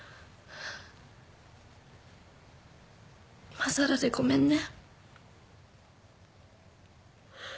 いまさらでごめんね。